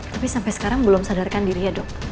tapi sampai sekarang belum sadarkan diri ya dok